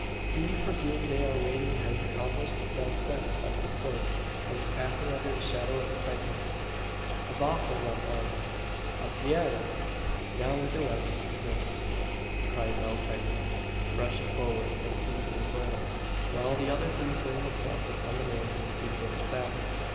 He for whom they are waiting has accomplished the descent of the slope, and is passing under the shadow of the cypress. "Abajo las armas! A tierra!" ("Down with your weapons. To the ground!") cries El Coyote, rushing forward and seizing the bridle, while the other three fling themselves upon the man who is seated in the saddle.